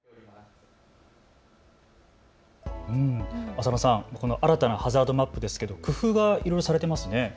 浅野さん、この新たなハザードマップですが工夫がいろいろされていますよね。